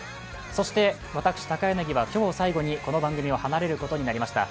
そして私、高柳は今日を最後にこの番組を離れることになりました。